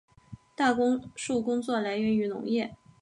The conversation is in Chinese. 大多数工作来源为农业。